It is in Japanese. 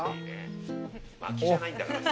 薪じゃないんだからさ。